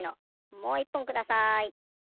もういっぽんください。